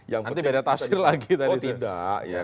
nanti beda tafsir lagi tadi